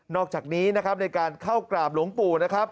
อกจากนี้นะครับในการเข้ากราบหลวงปู่นะครับ